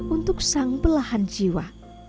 untuk sang belahan jiwa